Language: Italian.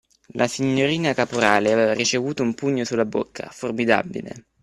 La signorina Caporale aveva ricevuto un pugno su la bocca, formidabile.